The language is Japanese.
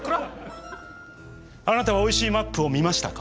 あなたは「おいしいマップ」を見ましたか？